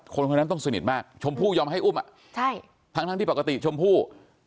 คนคนนั้นอ่ะต้องสนิทถึงขั้นที่ว่ามาพา็